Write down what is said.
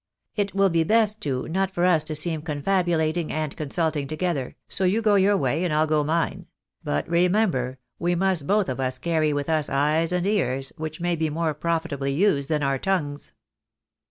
It will be best, too, not for us to seem confabu lating and consulting together, so you go your way, and I'll go mine ; but remember, we must both of us carry with us eyes and ears, which may be more profitably used than our tongues."